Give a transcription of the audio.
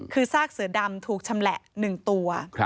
คือซากเสือดำถูกชำแหละ๑ตัว